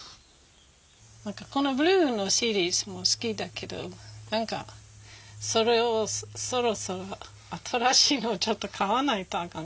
このブルーのシリーズも好きだけど何かそろそろ新しいのちょっと買わないとあかん。